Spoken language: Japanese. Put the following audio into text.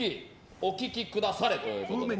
おききくだされということで。